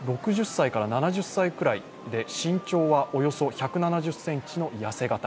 ６０歳から７０歳ぐらいで身長はおよそ１７０ｃｍの痩せ形。